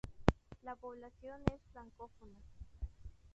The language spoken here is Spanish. La población es francófona.